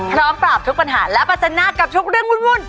พร้อมออกแต่ปัญหาและปรัชนาควณ